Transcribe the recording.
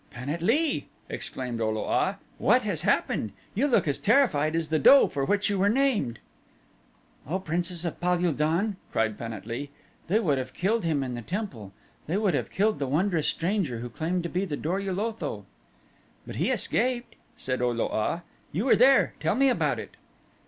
"Pan at lee," exclaimed O lo a, "what has happened? You look as terrified as the doe for which you were named!" "O Princess of Pal ul don," cried Pan at lee, "they would have killed him in the temple. They would have killed the wondrous stranger who claimed to be the Dor ul Otho." "But he escaped," said O lo a. "You were there. Tell me about it."